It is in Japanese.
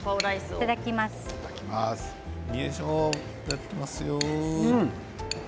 いただきますよ。